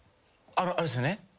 あれですよね。